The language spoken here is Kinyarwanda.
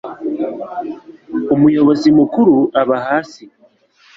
Umuyobozi mukuru aba hasi.